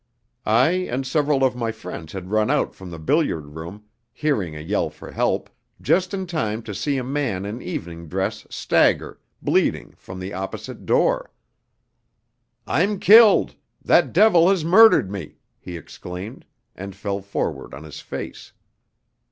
I and several of my friends had run out from the billiard room, hearing a yell for help, just in time to see a man in evening dress stagger, bleeding, from the opposite door. "I'm killed! That devil has murdered me!" he exclaimed, and fell forward on his face.